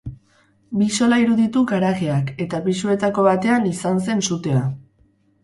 Bi solairu ditu garajeak, eta pisuetako batean izan zen sutea.